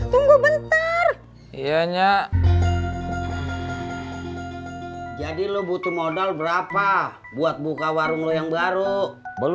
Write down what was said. tunggu bentar ya ngak jadi lu butuh modal berapa buat buka warung yang baru baru